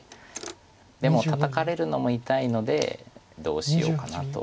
でもタタかれるのも痛いのでどうしようかなと。